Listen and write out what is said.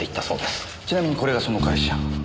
ちなみにこれがその会社。